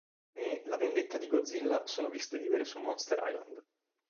Ne La vendetta di Godzilla sono viste vivere su Monster Island.